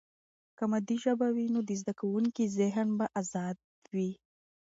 که مادي ژبه وي، نو د زده کوونکي ذهن به آزاد وي.